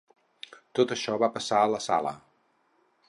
Tot això va passar a la sala.